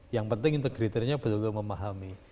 yang penting integratornya betul betul memahami